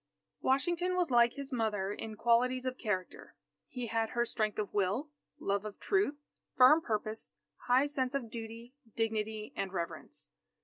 Washington was like his mother in qualities of character. He had her strength of will, love of truth, firm purpose, high sense of duty, dignity, and reverence.